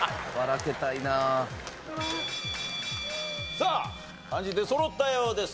さあ漢字出そろったようです。